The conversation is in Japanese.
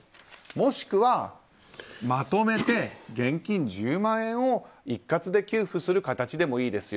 もしくは、まとめて現金１０万円を一括で給付する形でもいいですよ。